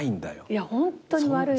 いやホントに悪いの。